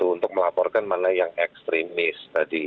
untuk melaporkan mana yang ekstremis tadi